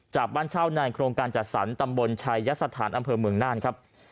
บ้านเช่าในโครงการจัดสรรตำบลชายสถานอำเภอเมืองน่านครับ